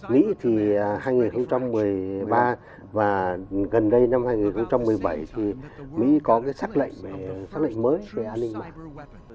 mỹ thì hai nghìn một mươi ba và gần đây năm hai nghìn một mươi bảy thì mỹ có cái xác lệnh xác lệnh mới về an ninh mạng